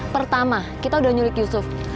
pertama kita udah nyurik yusuf